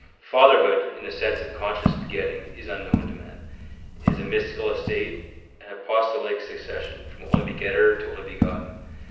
Fatherhood, in the sense of conscious begetting, is unknown to man. It is a mystical estate, an apostolic succession, from only begetter to only begotten.